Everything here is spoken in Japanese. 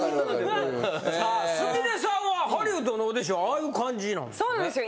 さあすみれさんはハリウッドのオーディションああいう感じなんですね。